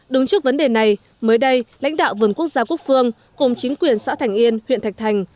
đứng trước vấn đề này mới đây lãnh đạo vườn quốc gia quốc phương cùng chính quyền xã thành yên huyện thạch thành